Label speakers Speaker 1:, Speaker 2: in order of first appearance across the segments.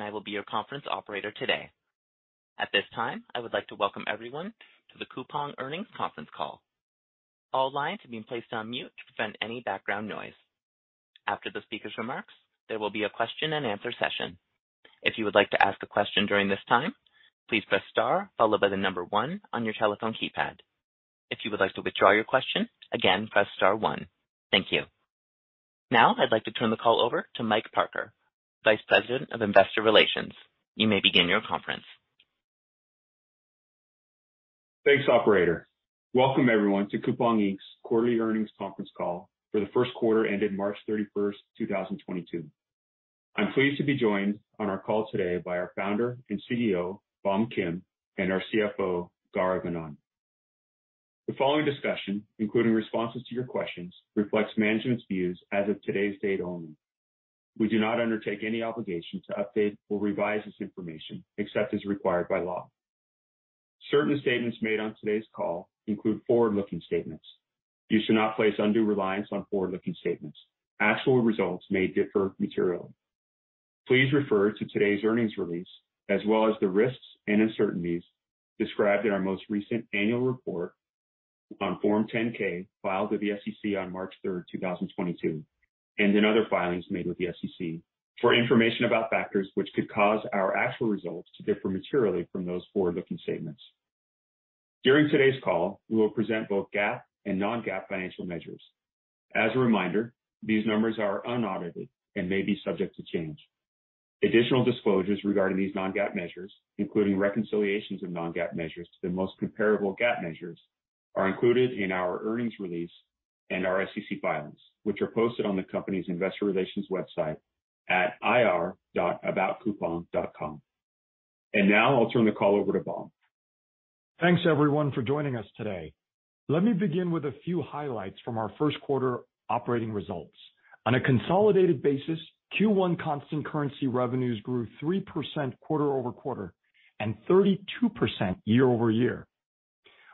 Speaker 1: I will be your conference operator today. At this time, I would like to welcome everyone to the Coupang Earnings Conference Call. All lines have been placed on mute to prevent any background noise. After the speaker's remarks, there will be a question-and-answer session. If you would like to ask a question during this time, please press star followed by the number one on your telephone keypad. If you would like to withdraw your question, again, press star one. Thank you. Now I'd like to turn the call over to Mike Parker, Vice President of Investor Relations. You may begin your conference,
Speaker 2: Thanks, operator. Welcome, everyone, to Coupang, Inc.'s quarterly earnings conference call for the first quarter ending March 31st, 2022. I'm pleased to be joined on our call today by our founder and CEO, Bom Kim, and our CFO, Gaurav Anand. The following discussion, including responses to your questions, reflects management's views as of today's date only. We do not undertake any obligation to update or revise this information except as required by law. Certain statements made on today's call include forward-looking statements. You should not place undue reliance on forward-looking statements. Actual results may differ materially. Please refer to today's earnings release, as well as the risks and uncertainties described in our most recent annual report on Form 10-K, filed with the SEC on March third, two thousand and twenty-two, and in other filings made with the SEC for information about factors which could cause our actual results to differ materially from those forward-looking statements. During today's call, we will present both GAAP and non-GAAP financial measures. As a reminder, these numbers are unaudited and may be subject to change. Additional disclosures regarding these non-GAAP measures, including reconciliations of non-GAAP measures to the most comparable GAAP measures, are included in our earnings release and our SEC filings, which are posted on the company's investor relations website at ir.aboutcoupang.com. Now I'll turn the call over to Bom.
Speaker 3: Thanks, everyone, for joining us today. Let me begin with a few highlights from our first quarter operating results. On a consolidated basis, Q1 constant currency revenues grew 3% quarter-over-quarter and 32% year-over-year.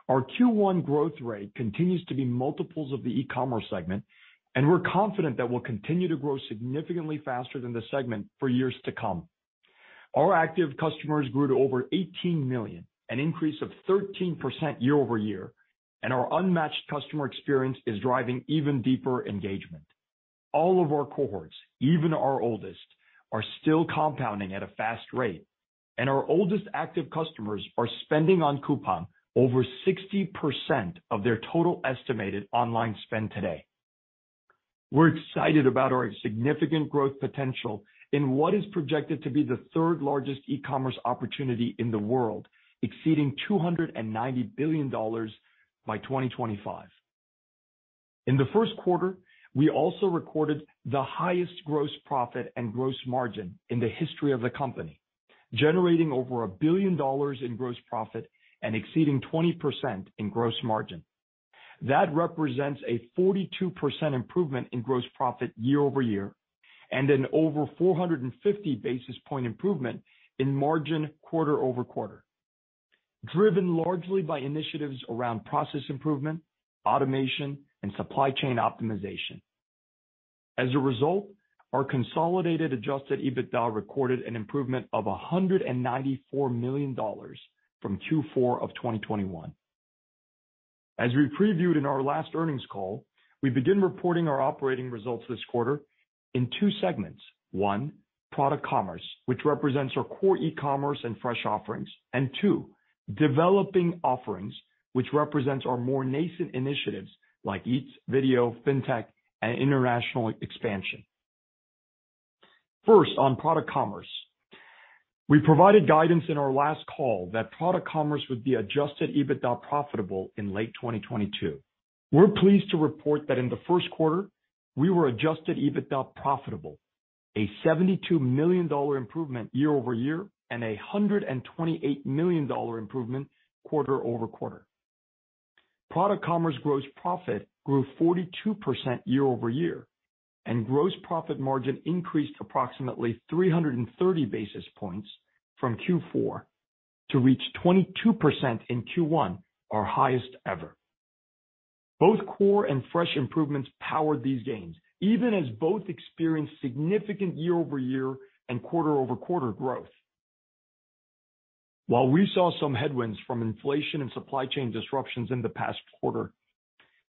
Speaker 3: Our Q1 growth rate continues to be multiples of the e-commerce segment, and we're confident that we'll continue to grow significantly faster than the segment for years to come. Our active customers grew to over 18 million, an increase of 13% year-over-year, and our unmatched customer experience is driving even deeper engagement. All of our cohorts, even our oldest, are still compounding at a fast rate, and our oldest active customers are spending on Coupang over 60% of their total estimated online spend today. We're excited about our significant growth potential in what is projected to be the third largest e-commerce opportunity in the world, exceeding $290 billion by 2025. In the first quarter, we also recorded the highest gross profit and gross margin in the history of the company, generating over $1 billion in gross profit and exceeding 20% in gross margin. That represents a 42% improvement in gross profit year-over-year and an over 450 basis point improvement in margin quarter-over-quarter, driven largely by initiatives around process improvement, automation, and supply chain optimization. As a result, our consolidated adjusted EBITDA recorded an improvement of $194 million from Q4 of 2021. As we previewed in our last earnings call, we begin reporting our operating results this quarter in two segments. One, product commerce, which represents our core e-commerce and fresh offerings. Two, developing offerings, which represents our more nascent initiatives like Eats, Video, Fintech, and international expansion. First, on product commerce. We provided guidance in our last call that product commerce would be adjusted EBITDA profitable in late 2022. We're pleased to report that in the first quarter, we were adjusted EBITDA profitable, a $72 million improvement year-over-year and a $128 million improvement quarter-over-quarter. Product commerce gross profit grew 42% year-over-year, and gross profit margin increased approximately 330 basis points from Q4 to reach 22% in Q1, our highest ever. Both core and fresh improvements powered these gains, even as both experienced significant year-over-year and quarter-over-quarter growth. While we saw some headwinds from inflation and supply chain disruptions in the past quarter,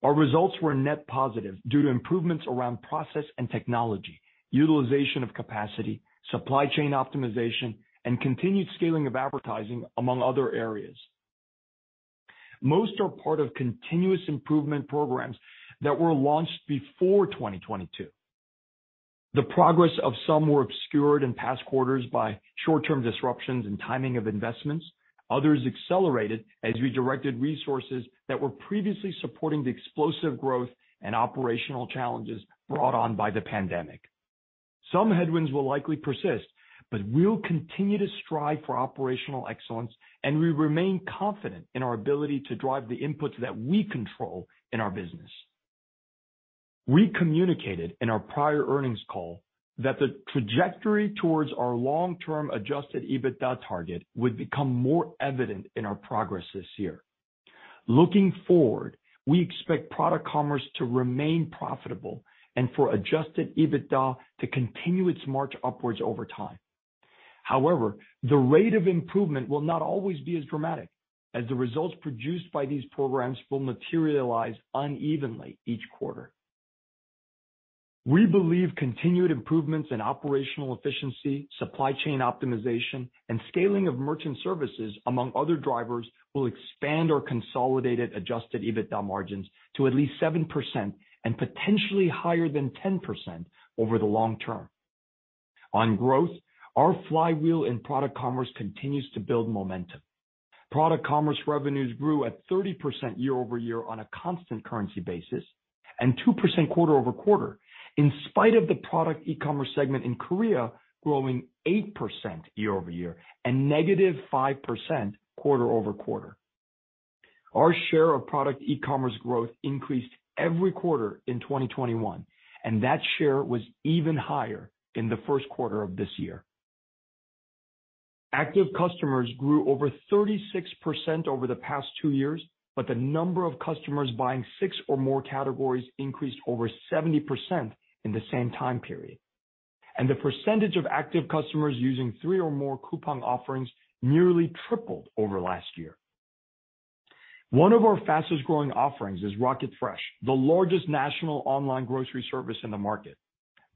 Speaker 3: our results were net positive due to improvements around process and technology, utilization of capacity, supply chain optimization, and continued scaling of advertising, among other areas. Most are part of continuous improvement programs that were launched before 2022. The progress of some were obscured in past quarters by short-term disruptions and timing of investments. Others accelerated as we directed resources that were previously supporting the explosive growth and operational challenges brought on by the pandemic. Some headwinds will likely persist, but we'll continue to strive for operational excellence, and we remain confident in our ability to drive the inputs that we control in our business. We communicated in our prior earnings call that the trajectory towards our long-term adjusted EBITDA target would become more evident in our progress this year. Looking forward, we expect product commerce to remain profitable and for adjusted EBITDA to continue its march upwards over time. However, the rate of improvement will not always be as dramatic as the results produced by these programs will materialize unevenly each quarter. We believe continued improvements in operational efficiency, supply chain optimization, and scaling of merchant services among other drivers will expand our consolidated adjusted EBITDA margins to at least 7% and potentially higher than 10% over the long term. On growth, our flywheel in product commerce continues to build momentum. Product commerce revenues grew at 30% year-over-year on a constant currency basis and 2% quarter-over-quarter in spite of the product e-commerce segment in Korea growing 8% year-over-year and -5% quarter-over-quarter. Our share of product e-commerce growth increased every quarter in 2021, and that share was even higher in the first quarter of this year. Active customers grew over 36% over the past two years, but the number of customers buying six or more categories increased over 70% in the same time period and the percentage of active customers using three or more Coupang offerings nearly tripled over last year. One of our fastest-growing offerings is Rocket Fresh, the largest national online grocery service in the market.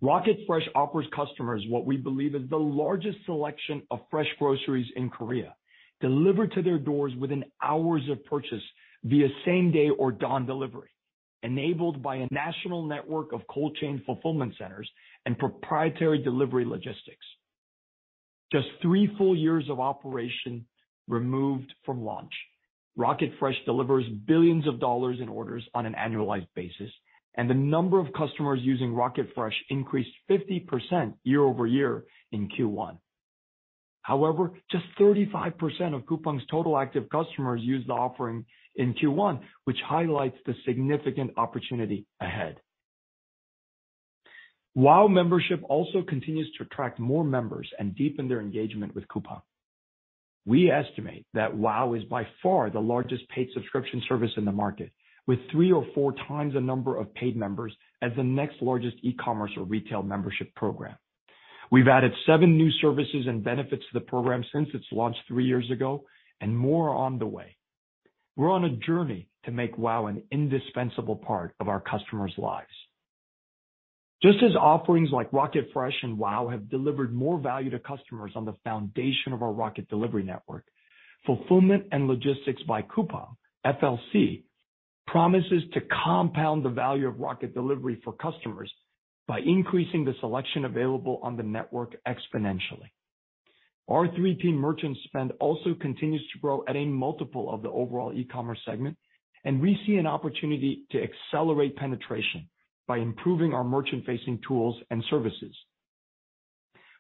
Speaker 3: Rocket Fresh offers customers what we believe is the largest selection of fresh groceries in Korea delivered to their doors within hours of purchase via same day or dawn delivery enabled by a national network of cold chain fulfillment centers and proprietary delivery logistics. Just three full years of operation removed from launch. Rocket Fresh delivers $billions in orders on an annualized basis and the number of customers using Rocket Fresh increased 50% year-over-year in Q1. However, just 35% of Coupang's total active customers used the offering in Q1 which highlights the significant opportunity ahead. WOW membership also continues to attract more members and deepen their engagement with Coupang. We estimate that WOW is by far the largest paid subscription service in the market with 3x or 4x the number of paid members as the next largest e-commerce or retail membership program. We've added seven new services and benefits to the program since its launch three years ago and more are on the way. We're on a journey to make WOW an indispensable part of our customers' lives. Just as offerings like Rocket Fresh and WOW have delivered more value to customers on the foundation of our Rocket Delivery network, fulfillment and logistics by Coupang, FLC, promises to compound the value of Rocket Delivery for customers by increasing the selection available on the network exponentially. Our 3P merchant spend also continues to grow at a multiple of the overall e-commerce segment and we see an opportunity to accelerate penetration by improving our merchant facing tools and services.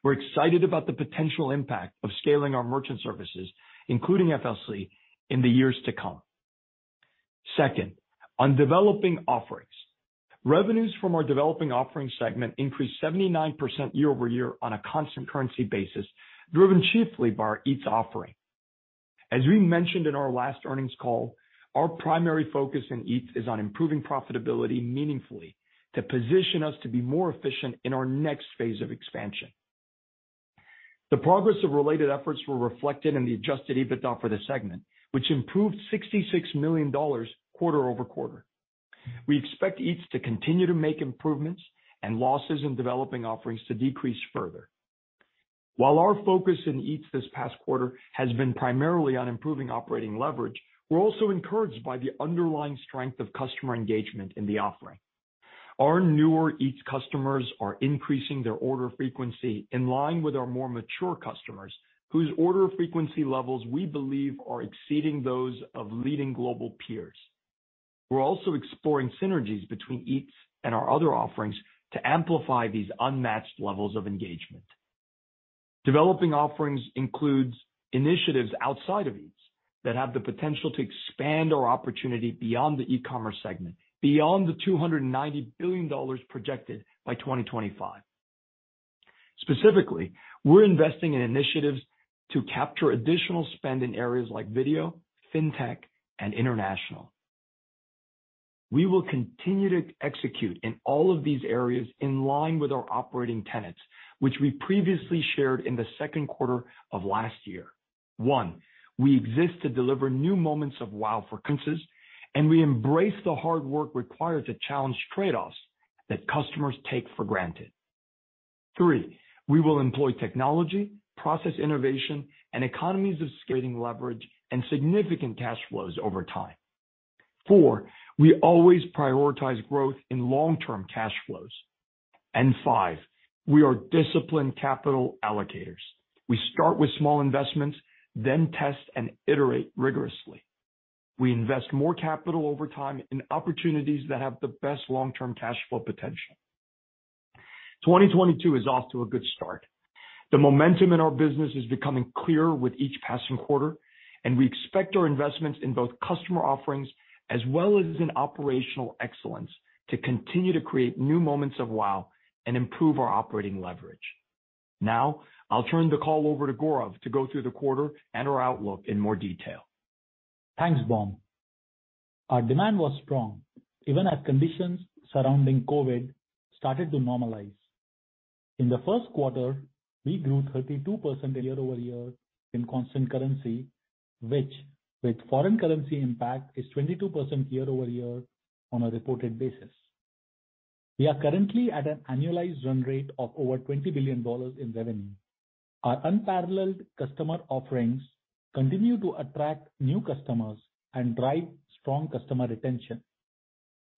Speaker 3: We're excited about the potential impact of scaling our merchant services including FLC in the years to come. Second, on developing offerings. Revenues from our developing offerings segment increased 79% year-over-year on a constant currency basis driven chiefly by our Eats offering. As we mentioned in our last earnings call, our primary focus in Eats is on improving profitability meaningfully to position us to be more efficient in our next phase of expansion. The progress of related efforts were reflected in the adjusted EBITDA for the segment which improved $66 million quarter-over-quarter. We expect Eats to continue to make improvements and losses in developing offerings to decrease further. While our focus in Eats this past quarter has been primarily on improving operating leverage, we're also encouraged by the underlying strength of customer engagement in the offering. Our newer Eats customers are increasing their order frequency in line with our more mature customers whose order frequency levels we believe are exceeding those of leading global peers. We're also exploring synergies between Eats and our other offerings to amplify these unmatched levels of engagement. Developing offerings includes initiatives outside of Eats that have the potential to expand our opportunity beyond the e-commerce segment, beyond the $290 billion projected by 2025. Specifically, we're investing in initiatives to capture additional spend in areas like video, fintech and international. We will continue to execute in all of these areas in line with our operating tenets which we previously shared in the second quarter of last year. One, we exist to deliver new moments of WOW for and we embrace the hard work required to challenge trade-offs that customers take for granted. Three, we will employ technology, process innovation, and economies of scale and leverage and significant cash flows over time. Four, we always prioritize growth in long-term cash flows. Five, we are disciplined capital allocators. We start with small investments then test and iterate rigorously. We invest more capital over time in opportunities that have the best long-term cash flow potential. 2022 is off to a good start. The momentum in our business is becoming clearer with each passing quarter and we expect our investments in both customer offerings as well as in operational excellence to continue to create new moments of WOW and improve our operating leverage. Now I'll turn the call over to Gaurav to go through the quarter and our outlook in more detail.
Speaker 4: Thanks, Bom. Our demand was strong even as conditions surrounding COVID started to normalize. In the first quarter, we grew 32% year-over-year in constant currency, which with foreign currency impact is 22% year-over-year on a reported basis. We are currently at an annualized run rate of over $20 billion in revenue. Our unparalleled customer offerings continue to attract new customers and drive strong customer retention.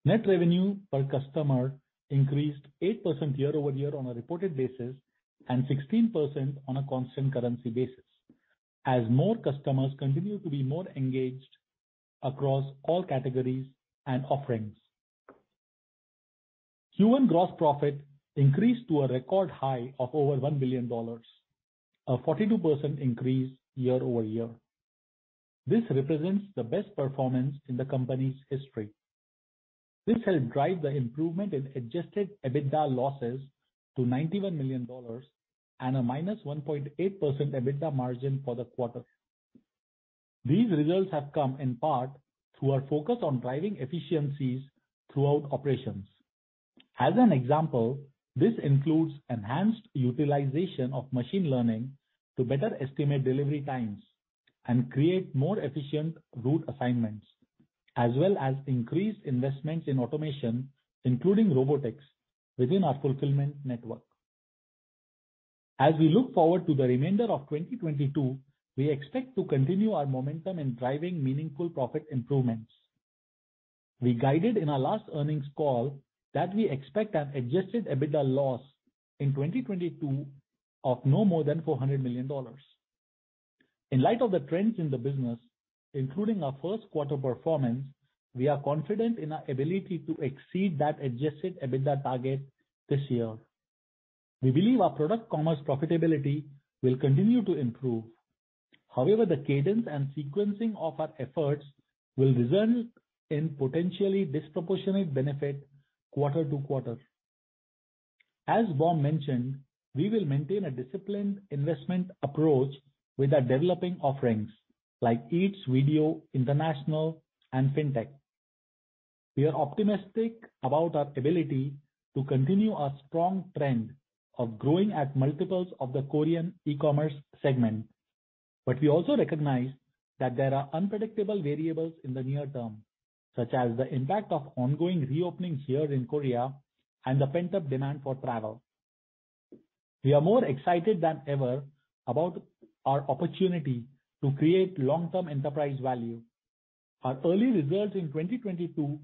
Speaker 4: Net revenue per customer increased 8% year-over-year on a reported basis, and 16% on a constant currency basis as more customers continue to be more engaged across all categories and offerings. Q1 gross profit increased to a record high of over $1 billion, a 42% increase year-over-year. This represents the best performance in the company's history. This helped drive the improvement in adjusted EBITDA losses to $91 million and a -1.8% EBITDA margin for the quarter. These results have come in part through our focus on driving efficiencies throughout operations. As an example, this includes enhanced utilization of machine learning to better estimate delivery times and create more efficient route assignments, as well as increased investments in automation, including robotics within our fulfillment network. As we look forward to the remainder of 2022, we expect to continue our momentum in driving meaningful profit improvements. We guided in our last earnings call that we expect an adjusted EBITDA loss in 2022 of no more than $400 million. In light of the trends in the business, including our first quarter performance, we are confident in our ability to exceed that adjusted EBITDA target this year. We believe our product commerce profitability will continue to improve. However, the cadence and sequencing of our efforts will result in potentially disproportionate benefit quarter to quarter. As Bom mentioned, we will maintain a disciplined investment approach with our developing offerings like Eats, Play, International, and fintech. We are optimistic about our ability to continue our strong trend of growing at multiples of the Korean e-commerce segment. We also recognize that there are unpredictable variables in the near term, such as the impact of ongoing reopenings here in Korea and the pent-up demand for travel. We are more excited than ever about our opportunity to create long-term enterprise value. Our early results in 2022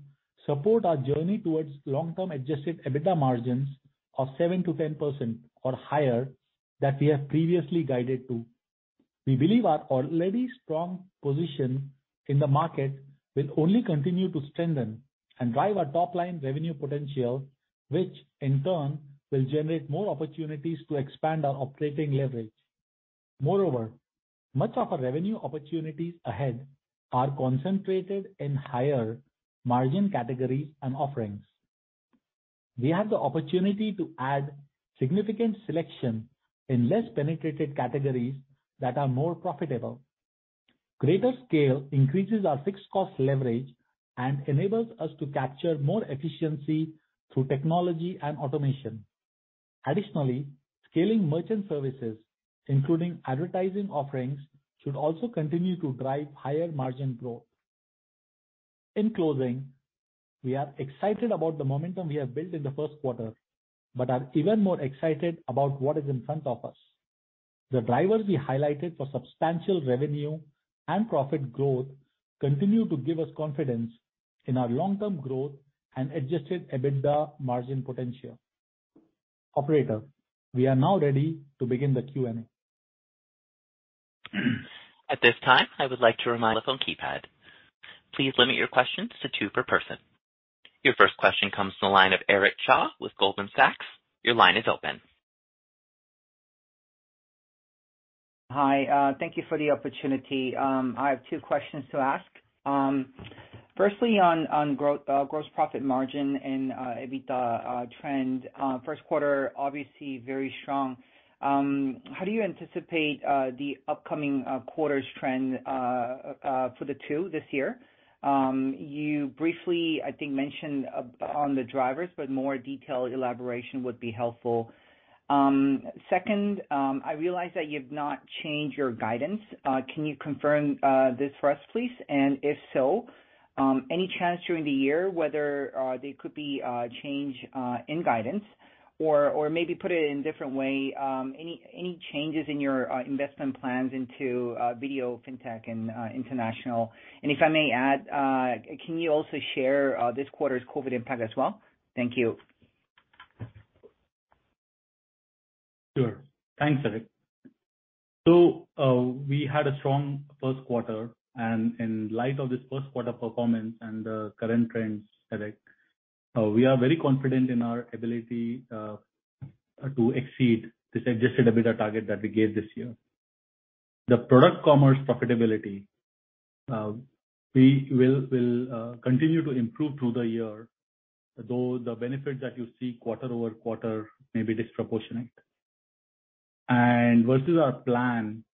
Speaker 4: support our journey towards long-term adjusted EBITDA margins of 7%-10% or higher that we have previously guided to. We believe our already strong position in the market will only continue to strengthen and drive our top line revenue potential, which in turn will generate more opportunities to expand our operating leverage. Moreover, much of our revenue opportunities ahead are concentrated in higher margin categories and offerings. We have the opportunity to add significant selection in less penetrated categories that are more profitable. Greater scale increases our fixed cost leverage and enables us to capture more efficiency through technology and automation. Additionally, scaling merchant services, including advertising offerings, should also continue to drive higher margin growth. In closing, we are excited about the momentum we have built in the first quarter, but are even more excited about what is in front of us. The drivers we highlighted for substantial revenue and profit growth continue to give us confidence in our long-term growth and adjusted EBITDA margin potential. Operator, we are now ready to begin the Q&A.
Speaker 1: At this time, I would like to remind phone keypad. Please limit your questions to two per person. Your first question comes from the line of Eric Cha with Goldman Sachs. Your line is open.
Speaker 5: Hi. Thank you for the opportunity. I have two questions to ask. Firstly on gross profit margin and EBITDA trend. First quarter, obviously very strong. How do you anticipate the upcoming quarters trend for Q2 this year? You briefly, I think mentioned on the drivers, but more detailed elaboration would be helpful. Second, I realize that you've not changed your guidance. Can you confirm this for us, please? If so, any chance during the year whether there could be change in guidance or maybe put it in a different way, any changes in your investment plans into video, fintech and international? If I may add, can you also share this quarter's COVID impact as well? Thank you.
Speaker 4: Sure. Thanks, Eric. We had a strong first quarter, and in light of this first quarter performance and the current trends, Eric, we are very confident in our ability to exceed this adjusted EBITDA target that we gave this year. The product commerce profitability, we will continue to improve through the year, although the benefits that you see quarter-over-quarter may be disproportionate. Versus our plan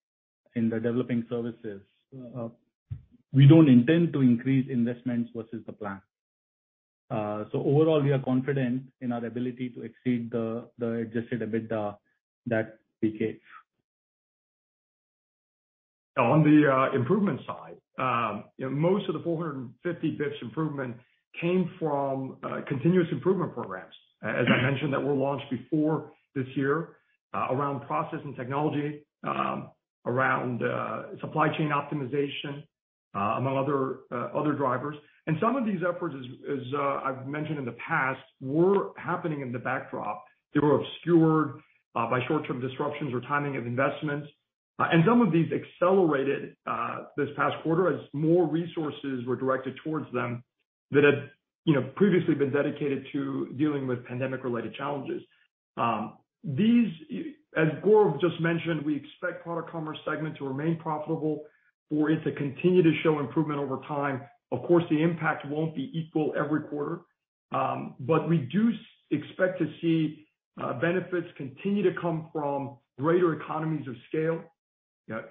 Speaker 4: in the developing services, we don't intend to increase investments versus the plan. Overall we are confident in our ability to exceed the adjusted EBITDA that we gave.
Speaker 3: On the improvement side, most of the 450 basis points improvement came from continuous improvement programs, as I mentioned, that were launched before this year, around process and technology, around supply chain optimization, among other drivers. Some of these efforts, as I've mentioned in the past, were happening in the backdrop. They were obscured by short-term disruptions or timing of investments. Some of these accelerated this past quarter as more resources were directed towards them that had, you know, previously been dedicated to dealing with pandemic related challenges. As Gaurav just mentioned, we expect product commerce segment to remain profitable for it to continue to show improvement over time. Of course, the impact won't be equal every quarter, but we do expect to see benefits continue to come from greater economies of scale,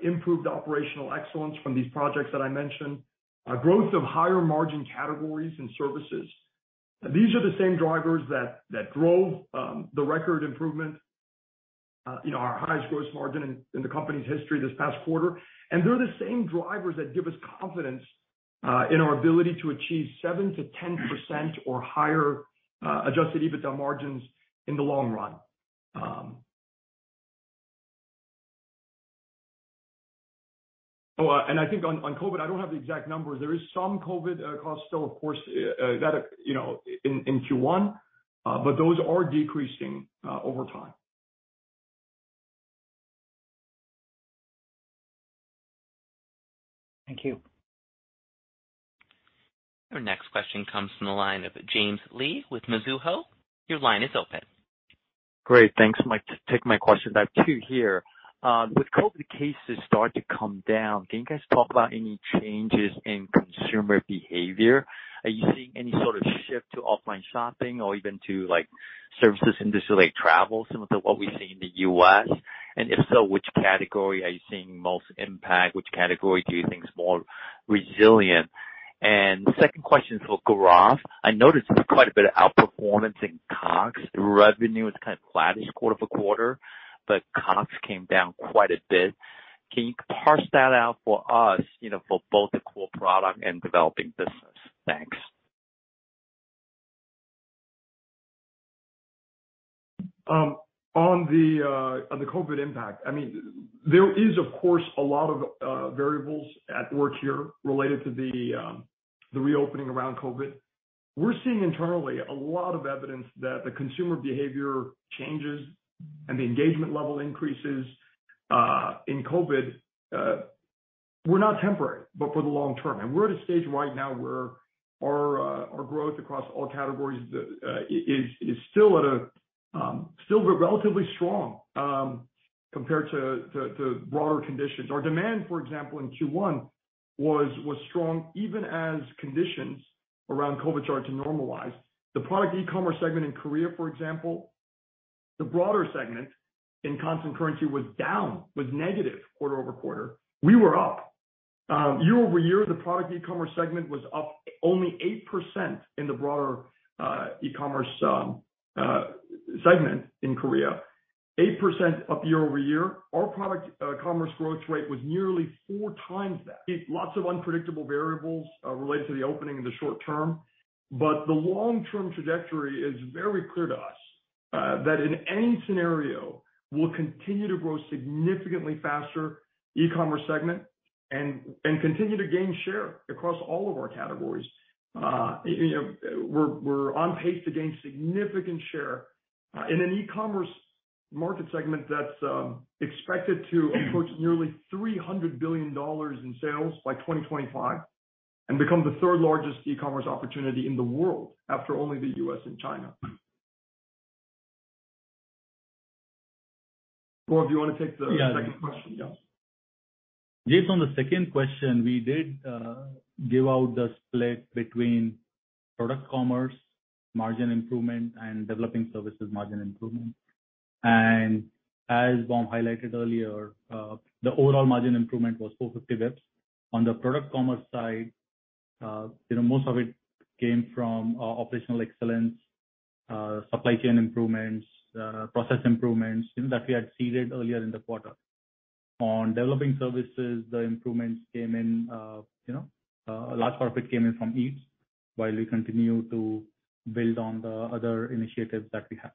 Speaker 3: improved operational excellence from these projects that I mentioned, growth of higher margin categories and services. These are the same drivers that drove the record improvement, you know, our highest growth margin in the company's history this past quarter. They're the same drivers that give us confidence in our ability to achieve 7%-10% or higher adjusted EBITDA margins in the long run. I think on COVID, I don't have the exact numbers. There is some COVID costs still of course, you know, in Q1, but those are decreasing over time.
Speaker 5: Thank you.
Speaker 1: Your next question comes from the line of James Lee with Mizuho. Your line is open.
Speaker 6: Great. Thanks. Mike, take my question back to you here. With COVID cases starting to come down, can you guys talk about any changes in consumer behavior? Are you seeing any sort of shift to offline shopping or even to like services industry like travel, similar to what we see in the U.S.? And if so, which category are you seeing most impact? Which category do you think is more resilient? Second question is for Gaurav. I noticed there's quite a bit of outperformance in COGS. Revenue is kind of flattish quarter-over-quarter, but COGS came down quite a bit. Can you parse that out for us, you know, for both the core product and developing business? Thanks.
Speaker 3: On the COVID impact, I mean, there is of course a lot of variables at work here related to the reopening around COVID. We're seeing internally a lot of evidence that the consumer behavior changes and the engagement level increases in COVID were not temporary, but for the long term. We're at a stage right now where our growth across all categories is still relatively strong compared to broader conditions. Our demand, for example, in Q1 was strong even as conditions around COVID start to normalize. The product e-commerce segment in Korea, for example, the broader segment in constant currency was down negative quarter-over-quarter. We were up. Year-over-year the product e-commerce segment was up only 8% in the broader e-commerce segment in Korea. 8% up year-over-year. Our product commerce growth rate was nearly four times that. Lots of unpredictable variables related to the opening in the short term. The long-term trajectory is very clear to us that in any scenario we'll continue to grow significantly faster e-commerce segment and continue to gain share across all of our categories. You know, we're on pace to gain significant share in an e-commerce market segment that's expected to approach nearly $300 billion in sales by 2025 and become the third largest e-commerce opportunity in the world after only the U.S. and China. Gaurav, do you wanna take the second question?
Speaker 4: Yeah.
Speaker 3: Yes.
Speaker 4: James, from the second question, we did give out the split between product commerce margin improvement and developing services margin improvement. As Bom Kim highlighted earlier, the overall margin improvement was 450 basis points. On the product commerce side, you know, most of it came from operational excellence, supply chain improvements, process improvements, you know, that we had seeded earlier in the quarter. On developing services, the improvements came in, you know, a large part of it came in from Eats, while we continue to build on the other initiatives that we have.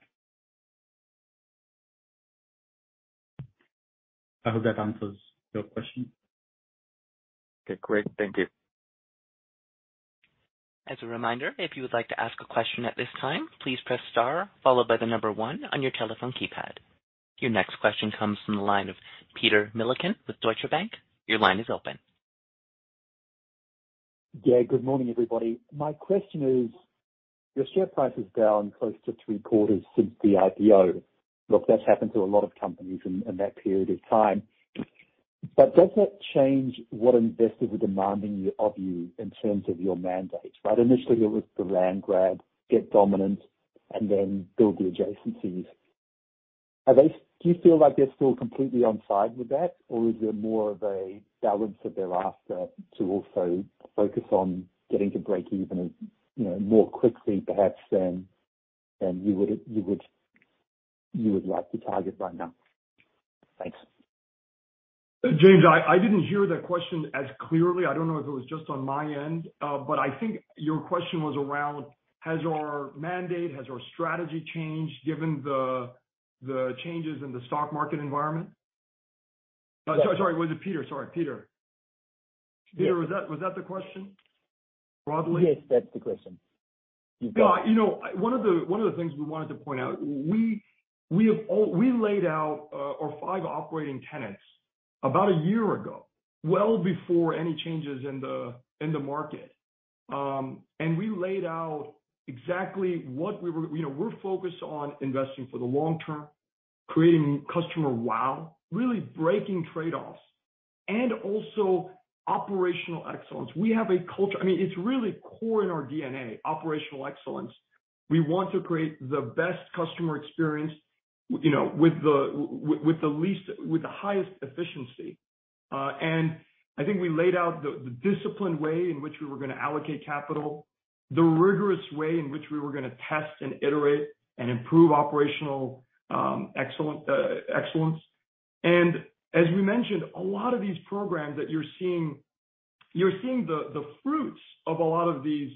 Speaker 4: I hope that answers your question.
Speaker 6: Okay. Great. Thank you.
Speaker 1: As a reminder, if you would like to ask a question at this time, please press star followed by the number one on your telephone keypad. Your next question comes from the line of Peter Milliken with Deutsche Bank. Your line is open.
Speaker 7: Yeah. Good morning, everybody. My question is, your share price is down close to three-quarters since the IPO. Look, that's happened to a lot of companies in that period of time. Does that change what investors are demanding of you in terms of your mandate? Right initially it was the land grab, get dominant, and then build the adjacencies. Are they— Do you feel like they're still completely on side with that, or is there more of a balance that they're after to also focus on getting to break even, you know, more quickly perhaps than you would like to target right now? Thanks.
Speaker 3: James, I didn't hear that question as clearly. I don't know if it was just on my end. I think your question was around, has our mandate, has our strategy changed given the changes in the stock market environment?
Speaker 7: Yes.
Speaker 3: Sorry. Was it Peter? Sorry, Peter.
Speaker 7: Yes.
Speaker 3: Peter, was that the question broadly?
Speaker 7: Yes, that's the question.
Speaker 3: You know, one of the things we wanted to point out, we laid out our five operating tenets about a year ago, well before any changes in the market. We laid out exactly what we were. You know, we're focused on investing for the long term, creating customer wow, really breaking trade-offs and also operational excellence. We have a culture. I mean, it's really core in our DNA, operational excellence. We want to create the best customer experience, you know, with the highest efficiency. I think we laid out the disciplined way in which we were gonna allocate capital, the rigorous way in which we were gonna test and iterate and improve operational excellence. As we mentioned, a lot of these programs that you're seeing, the fruits of a lot of these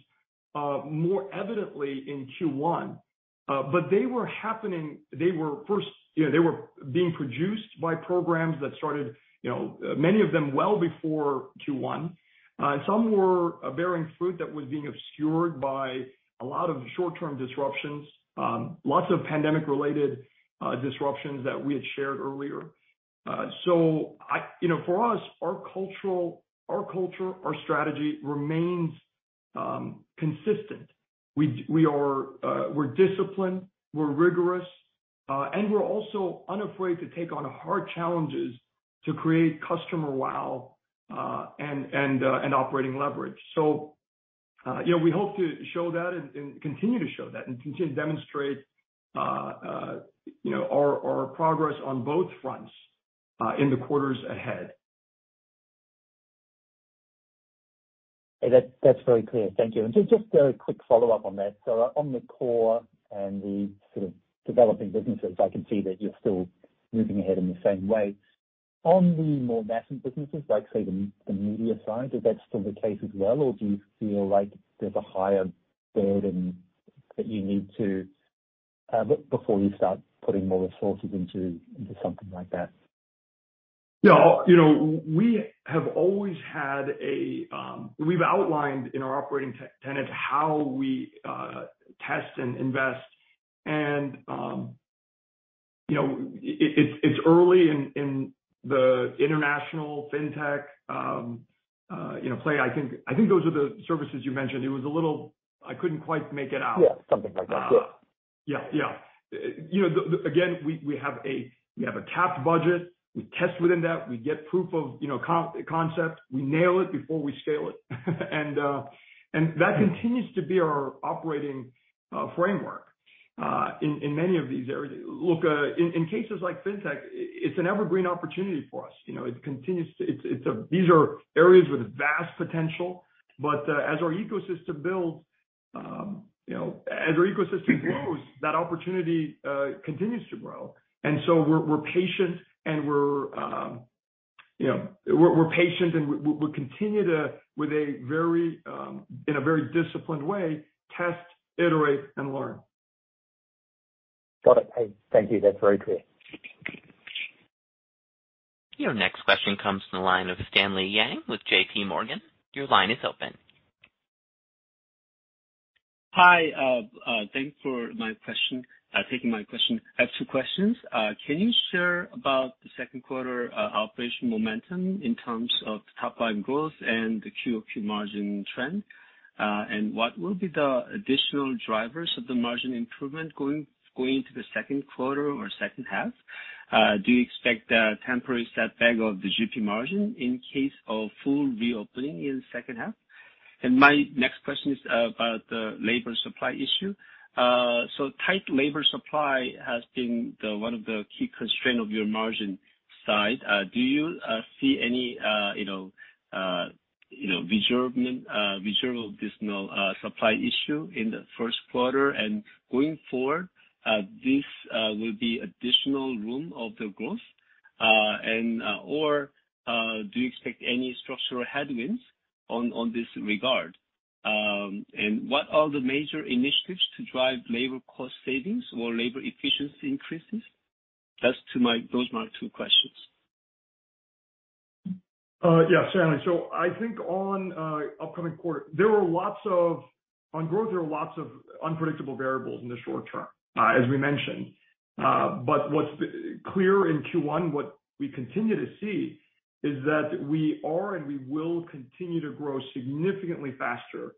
Speaker 3: more evidently in Q1. They were happening, you know, they were being produced by programs that started, you know, many of them well before Q1. Some were bearing fruit that was being obscured by a lot of short-term disruptions, lots of pandemic-related disruptions that we had shared earlier. You know, for us, our culture, our strategy remains consistent. We're disciplined, we're rigorous, and we're also unafraid to take on hard challenges to create customer wow and operating leverage. You know, we hope to show that and continue to show that and continue to demonstrate, you know, our progress on both fronts in the quarters ahead.
Speaker 7: That, that's very clear. Thank you. Just a quick follow-up on that. On the core and the sort of developing businesses, I can see that you're still moving ahead in the same way. On the more nascent businesses, like say the media side, is that still the case as well? Or do you feel like there's a higher burden that you need to before you start putting more resources into something like that?
Speaker 3: No. You know, we have always had a. We've outlined in our operating tenet how we test and invest and, you know, it's early in the international fintech, you know, play. I think those are the services you mentioned. It was a little. I couldn't quite make it out.
Speaker 7: Yeah, something like that. Yeah.
Speaker 3: Yeah. You know, again, we have a capped budget. We test within that. We get proof of, you know, concept. We nail it before we scale it. That continues to be our operating framework in many of these areas. Look, in cases like fintech, it's an evergreen opportunity for us. You know, it continues to. These are areas with vast potential. As our ecosystem builds, you know, as our ecosystem grows, that opportunity continues to grow. We're patient and we continue to, in a very disciplined way, test, iterate, and learn.
Speaker 7: Got it. Hey, thank you. That's very clear.
Speaker 1: Your next question comes from the line of Stanley Yang with JPMorgan. Your line is open.
Speaker 8: Hi. Thanks for taking my question. I have two questions. Can you share about the second quarter operation momentum in terms of the top line growth and the Q-over-Q margin trend? What will be the additional drivers of the margin improvement going into the second quarter or second half? Do you expect a temporary setback of the GP margin in case of full reopening in the second half? My next question is about the labor supply issue. So tight labor supply has been the one of the key constraint of your margin side. Do you see any reversal of supply issue in the first quarter? Going forward, this will be additional room for the growth, or do you expect any structural headwinds in this regard? What are the major initiatives to drive labor cost savings or labor efficiency increases? Those are my two questions.
Speaker 3: Yeah. Stanley. I think on upcoming quarter, there are lots of unpredictable variables in the short term, as we mentioned. What's clear in Q1, what we continue to see is that we are and we will continue to grow significantly faster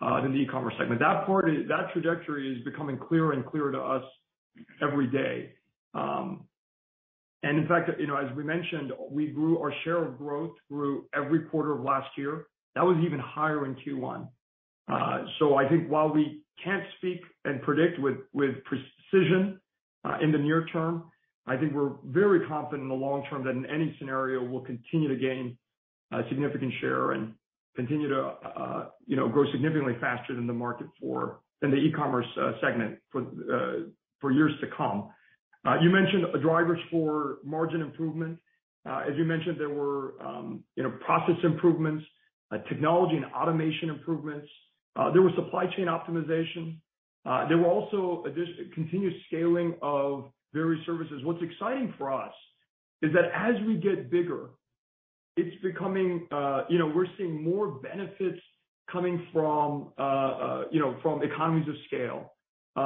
Speaker 3: than the e-commerce segment. That part is. That trajectory is becoming clearer and clearer to us every day. In fact, you know, as we mentioned, we grew our share of growth through every quarter of last year. That was even higher in Q1. I think while we can't speak and predict with precision in the near term. I think we're very confident in the long term that in any scenario we'll continue to gain significant share and continue to you know grow significantly faster than the e-commerce segment for years to come. You mentioned drivers for margin improvement. As you mentioned, there were you know process improvements, technology and automation improvements. There was supply chain optimization. There were also continuous scaling of various services. What's exciting for us is that as we get bigger, it's becoming you know we're seeing more benefits coming from you know from economies of scale. You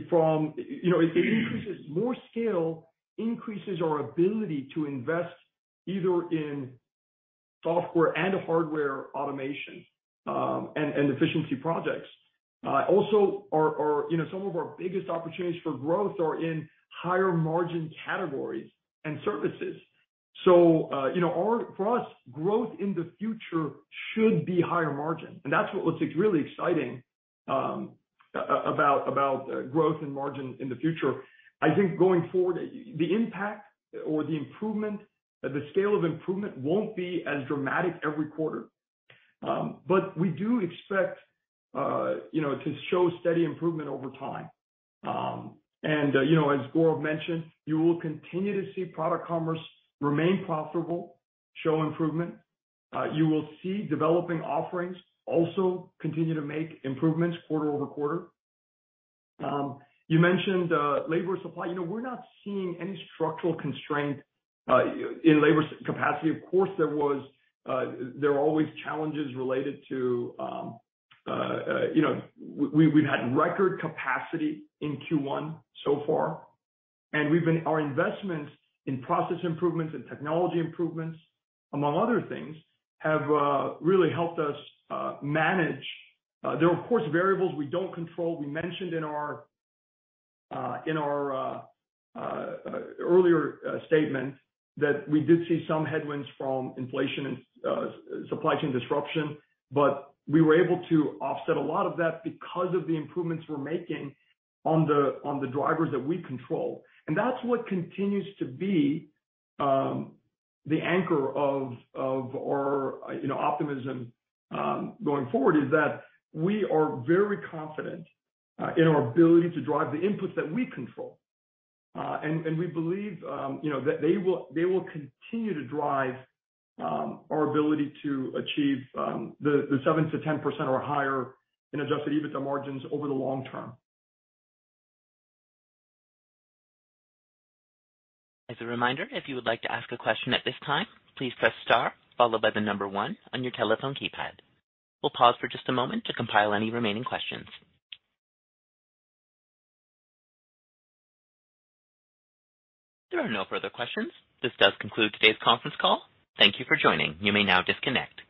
Speaker 3: know, it increases more scale, increases our ability to invest either in software and hardware automation and efficiency projects. Also our you know some of our biggest opportunities for growth are in higher margin categories and services. For us, growth in the future should be higher margin. That's what's really exciting about growth and margin in the future. I think going forward, the impact or the improvement, the scale of improvement won't be as dramatic every quarter. We do expect to show steady improvement over time. As Gaurav mentioned, you will continue to see product commerce remain profitable, show improvement. You will see developing offerings also continue to make improvements quarter-over-quarter. You mentioned labor supply. You know, we're not seeing any structural constraint in labor capacity. Of course, there are always challenges related to, you know, we've had record capacity in Q1 so far. Our investments in process improvements and technology improvements, among other things, have really helped us manage. There are of course, variables we don't control. We mentioned in our earlier statement that we did see some headwinds from inflation and supply chain disruption, but we were able to offset a lot of that because of the improvements we're making on the drivers that we control. That's what continues to be the anchor of our, you know, optimism going forward, is that we are very confident in our ability to drive the inputs that we control. We believe, you know, that they will continue to drive our ability to achieve the 7%-10% or higher in adjusted EBITDA margins over the long term.
Speaker 1: As a reminder, if you would like to ask a question at this time, please press star followed by the number one on your telephone keypad. We'll pause for just a moment to compile any remaining questions. There are no further questions. This does conclude today's conference call. Thank you for joining. You may now disconnect.